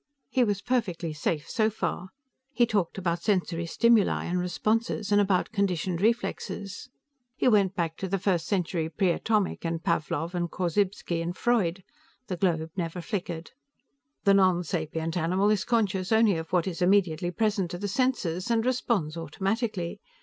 He was perfectly safe so far. He talked about sensory stimuli and responses, and about conditioned reflexes. He went back to the first century Pre Atomic, and Pavlov and Korzybski and Freud. The globe never flickered. "The nonsapient animal is conscious only of what is immediately present to the senses and responds automatically.